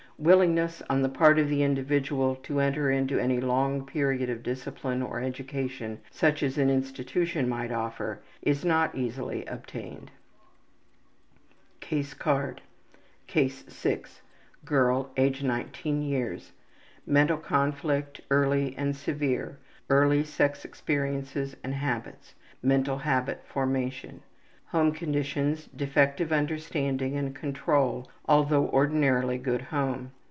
Willingness on the part of the individual to enter into any long period of discipline or education, such as an institution might offer, is not easily obtained. Mental conflict: early and severe. Case 6. Early sex experiences and habits. Girl, age 19 yrs. Mental habit formation. Home conditions: defective understanding and control, although ordinarily good home.